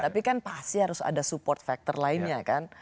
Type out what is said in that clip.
tapi kan pasti harus ada support factor lainnya kan